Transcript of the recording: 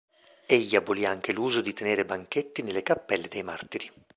Egli abolì anche l'uso di tenere banchetti nelle cappelle dei martiri.